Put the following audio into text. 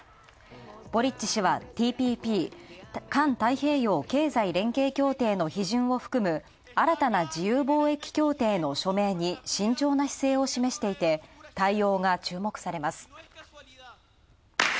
ボリッチ氏は、ＴＰＰ＝環太平洋経済連携協定の批准を含む新たな自由貿易協定の署名に慎重な姿勢を示していて、対応が注目されます。